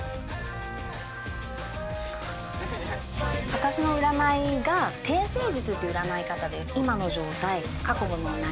私の占いが天星術っていう占い方で今の状態過去の流れ